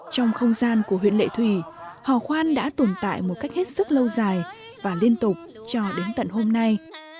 trong không gian của huyện lệ thủy hò khoan đã tồn tại một cách hết sức lâu dài và liên tục cho đến tận hôm nay